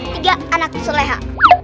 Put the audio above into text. tiga anak seleha